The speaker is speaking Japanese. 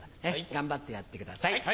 頑張ってやってください。